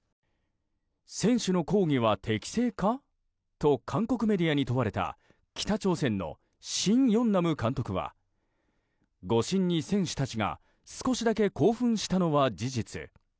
選手の抗議は適正か？と韓国メディアに問われた北朝鮮のシン・ヨンナム監督は誤審に選手たちが少しだけ興奮したのは事実。